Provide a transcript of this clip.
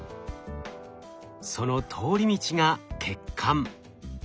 その通り道が血管。